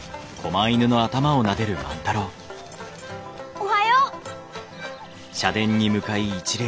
おはよう！